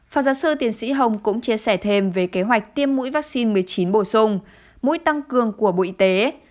phó giáo sư tiến sĩ hồng cũng chia sẻ thêm về kế hoạch tiêm mũi vaccine một mươi chín bổ sung mũi tăng cường của bộ y tế